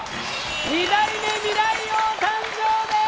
２代目未来王誕生です！